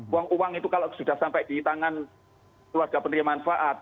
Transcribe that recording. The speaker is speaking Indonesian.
uang uang itu kalau sudah sampai di tangan keluarga penerima manfaat